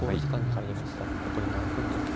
残り７分です。